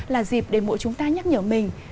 là dịp để mỗi chúng ta nhắc nhở mình